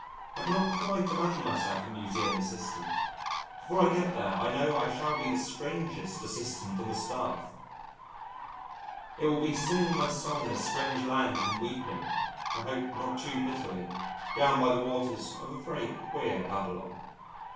I cannot quite imagine myself a Museum assistant. Before I get there I know I shall be the strangest assistant on the staff. It will be singing my song in a Strange land and weeping I hope not too bitterly down by the waters of a very queer Babylon.